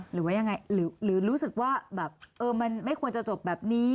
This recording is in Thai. หรือว่ายังไงหรือรู้สึกว่าแบบเออมันไม่ควรจะจบแบบนี้